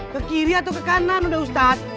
ke kiri atau ke kanan udah ustadz